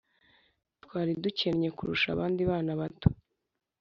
twari dukennye kurusha abandi bana bato